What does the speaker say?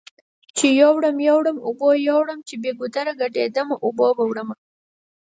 چې يوړم يوړم اوبو يوړم چې بې ګودره ګډ يدم اوبو به وړمه